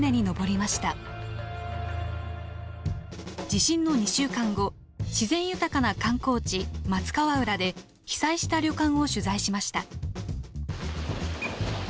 地震の２週間後自然豊かな観光地松川浦で被災した旅館を取材しました。